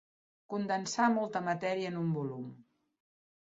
Condensar molta matèria en un volum.